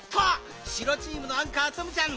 しろチームのアンカーツムちゃん